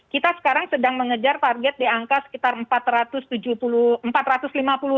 kita sekarang sedang mengejar target di angka sekitar empat ratus ribu